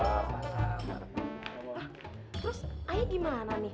terus ayah gimana nih